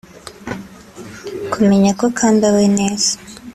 Kumenya ko kambawe neza